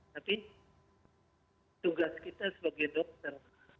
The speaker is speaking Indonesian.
tapi tugas kita sebagai dokter